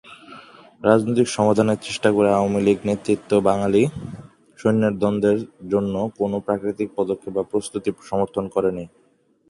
রাজনৈতিক সমাধানের চেষ্টা করে আওয়ামী লীগ নেতৃত্ব বাঙালি সৈন্যদের দ্বন্দ্বের জন্য কোনও প্রাকৃতিক পদক্ষেপ বা প্রস্তুতি সমর্থন করেনি।